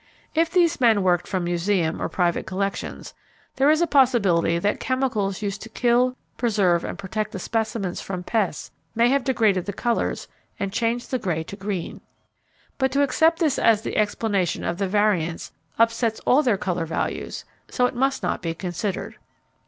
If these men worked from museum or private collections, there is a possibility that chemicals used to kill, preserve, and protect the specimens from pests may have degraded the colours, and changed the grey to green. But to accept this as the explanation of the variance upsets all their colour values, so it must not be considered.